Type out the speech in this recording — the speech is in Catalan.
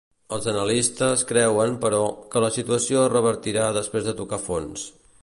Els analistes creuen, però, que la situació es revertirà després de tocar fons.